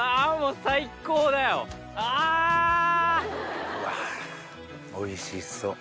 うわおいしそう。